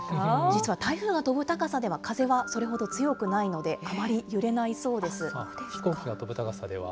実は台風が飛ぶ高さでは、風はそれほど強くないので、あまり飛行機が飛ぶ高さでは。